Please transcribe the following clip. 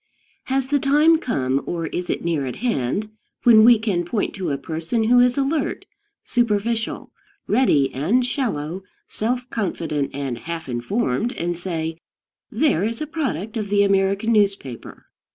Has the time come, or is it near at hand, when we can point to a person who is alert, superficial, ready and shallow, self confident and half informed, and say, "There is a product of the American newspaper"?